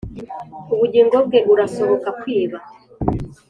ubugingo bwe urasohoka kwiba.